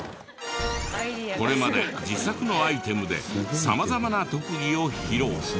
これまで自作のアイテムで様々な特技を披露。